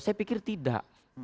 saya pikir tidak